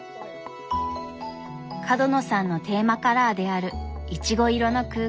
角野さんのテーマカラーであるいちご色の空間。